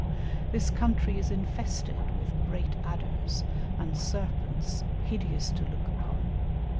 This country is infested with great adders, and serpents, "hideous to look upon."